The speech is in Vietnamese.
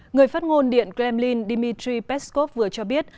người phát ngôn điện kremlin dmitry peskov vừa cho biết